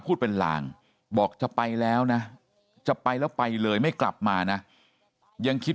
พูดเป็นลางบอกจะไปแล้วนะจะไปแล้วไปเลยไม่กลับมานะยังคิด